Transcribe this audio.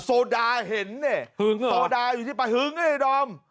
โซดาเห็นเนี่ยหึงโซดาอยู่ที่ปลาหึงไอ้ดอม